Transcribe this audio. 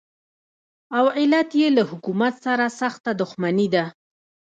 او علت یې له حکومت سره سخته دښمني ده.